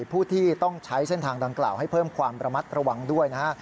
ผู้ที่ต้องใช้เส้นทางดังกล่าวให้เพิ่มความระมัดระวังด้วยนะฮะ